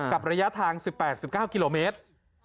ระยะทาง๑๘๑๙กิโลเมตร